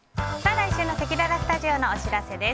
来週のせきららスタジオのお知らせです。